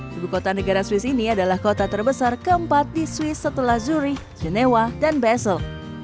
ibu kota negara swiss ini adalah kota terbesar keempat di swiss setelah zuri genewa dan basel